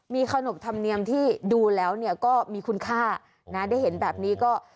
มีขนบธรรมเนียมที่ดูแล้วก็มีคุณค่านะได้เห็นแบบนี้ก็